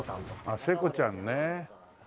ああ聖子ちゃんね。